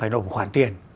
một khoản tiền